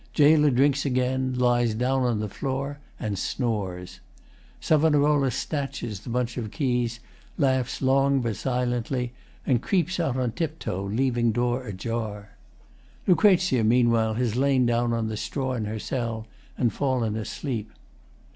GAOLER drinks again, lies down on floor, and snores. SAV. snatches the bunch of keys, laughs long but silently, and creeps out on tip toe, leaving door ajar. LUC. meanwhile has lain down on the straw in her cell, and fallen asleep.